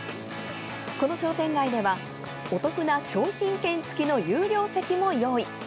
この商店街ではお得な商品券付きの有料席も用意。